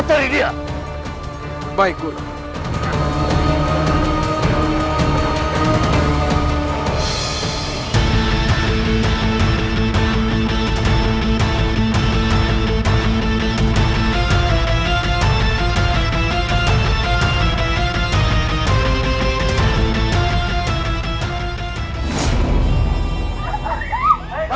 tidak tidak tidak